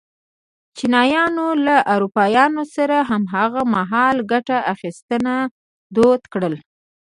چینایانو له اروپایانو سره هماغه مهال ګته اخیستنه دود کړل.